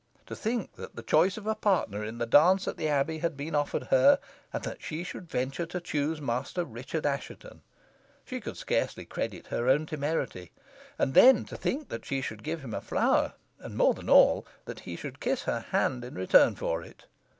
To think that the choice of a partner in the dance at the Abbey had been offered her, and that she should venture to choose Master Richard Assheton! She could scarcely credit her own temerity. And then to think that she should give him a flower, and, more than all, that he should kiss her hand in return for it!